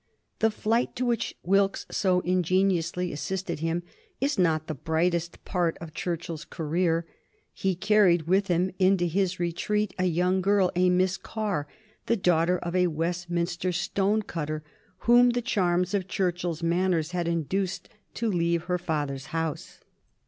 The flight to which Wilkes so ingeniously assisted him is not the brightest part of Churchill's career. He carried with him into his retreat a young girl, a Miss Carr, the daughter of a Westminster stonecutter, whom the charms of Churchill's manners had induced to leave her father's house.